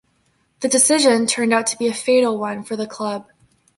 The decision turned out to be a fatal one for the club.